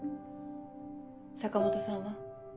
坂本さんは？